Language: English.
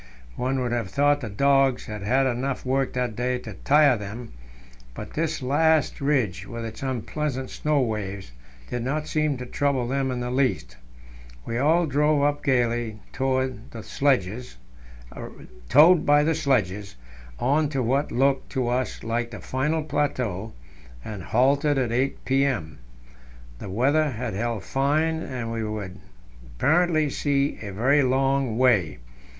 One would have thought the dogs had had enough work that day to tire them, but this last ridge, with its unpleasant snow waves, did not seem to trouble them in the least. We all drove up gaily, towed by the sledges, on to what looked to us like the final plateau, and halted at 8 p.m. The weather had held fine, and we could apparently see a very long way.